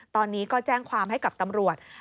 ตอนนี้ก็แจ้งความให้กับตำรวจ